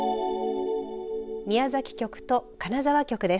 宮崎局と金沢局です。